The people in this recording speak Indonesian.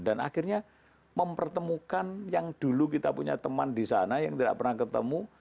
akhirnya mempertemukan yang dulu kita punya teman di sana yang tidak pernah ketemu